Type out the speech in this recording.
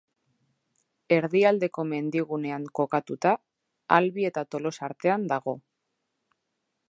Erdialdeko Mendigunean kokatuta, Albi eta Tolosa artean dago.